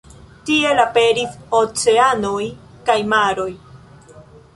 Tiel aperis oceanoj kaj maroj.